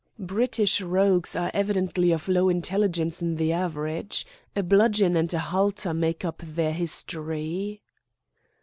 "British rogues are evidently of low intelligence in the average. A bludgeon and a halter make up their history."